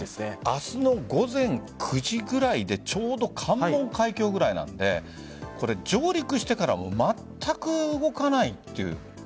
明日の午前９時ぐらいでちょうど関門海峡ぐらいなので上陸してからもまったく動かないという。